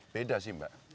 beda sih mbak